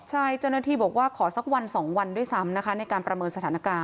ใช่เจ้าหน้าที่บอกว่าขอสักวัน๒วันด้วยซ้ำนะคะในการประเมินสถานการณ์